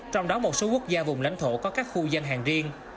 trong đó một số quốc gia vùng lãnh thổ có các khu danh hàng riêng